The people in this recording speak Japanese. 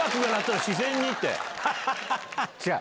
違う！